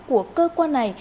của cơ quan này